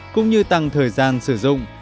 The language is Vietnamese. cũng như tăng thời gian sử dụng